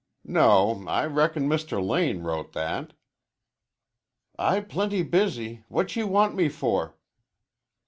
"No, I reckon Mr. Lane wrote that." "I plenty busy. What you want me for?"